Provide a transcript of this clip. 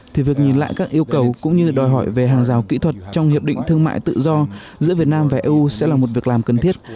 thì việc nhìn lại các yêu cầu cũng như đòi hỏi về hàng rào kỹ thuật trong hiệp định thương mại tự do giữa việt nam và eu sẽ là một việc làm cần thiết